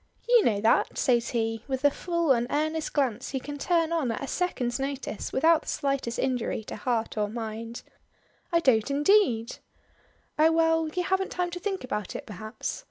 "You know that!" says he, with the full and earnest glance he can turn on at a second's notice without the slightest injury to heart or mind. "I don't indeed." "Oh well, you haven't time to think about it perhaps.